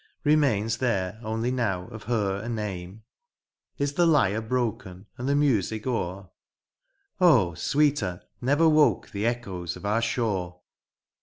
Remains there only now of her* a name ? Is the lyre broken and the music o'er ? Oh ! sweeter never woke the echoes of our shore.